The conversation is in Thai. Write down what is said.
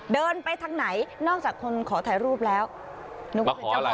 เดินไปทางไหนนอกจากคนขอถ่ายรูปเนี่ย